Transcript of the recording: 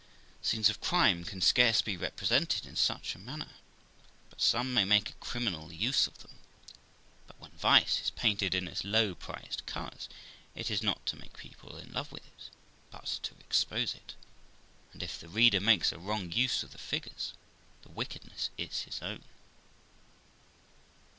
Scenes of crime can scarce be represented in such a manner but some may make a criminal use of them; but when vice is painted in its low prized colours, it is not to make people in love with it, but to expose it; and, if the reader makes a wrong use of the figures, the wickedness is his own.